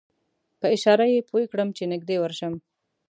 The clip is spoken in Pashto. په اشاره یې پوی کړم چې نږدې ورشم.